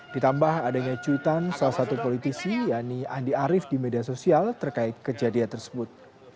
ditambah adanya cuitan salah satu politisi yani andi arief di media sosial terkait kejadian tersebut